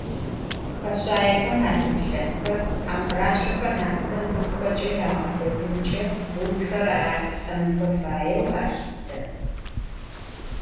Хэшъаехэм алъыплъэнхэ, хьампӏырашъохэр нахьыбэ зыхъухэкӏэ ягъэкӏодынкӏэ уцхэр арахьылӏэнхэ фаеу алъытэ.